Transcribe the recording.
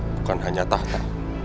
bukan hanya tahta